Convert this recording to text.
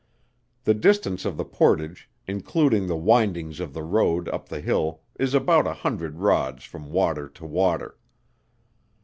The distance of the portage, including the windings of the road up the hill is about 100 rods from water to water.